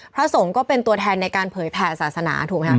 พระสงฆ์ก็เป็นตัวแทนในการเผยแผ่ศาสนาถูกไหมคะ